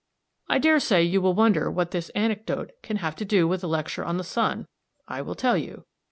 I daresay you will wonder what this anecdote can have to do with a lecture on the sun I will tell you.